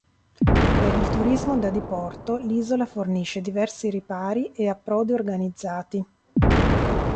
Per il turismo da diporto, l'isola fornisce diversi ripari e approdi organizzati.